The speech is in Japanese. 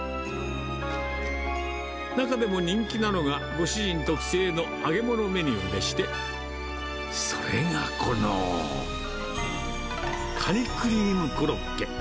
中でも人気なのが、ご主人特製の揚げ物メニューでして、それが、このカニクリームコロッケ。